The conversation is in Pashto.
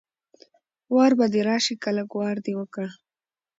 وار به دې راشي که لږ وار دې وکړ